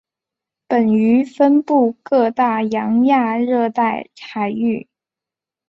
本鱼分布各大洋亚热带海域。